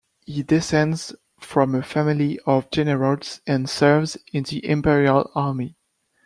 He descends from a family of generals and serves in the imperial army.